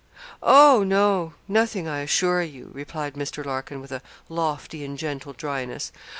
'Oh, no nothing, I assure you,' replied Mr. Larkin, with a lofty and gentle dryness.